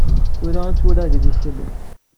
Tura i t-walaɣ deg isallen.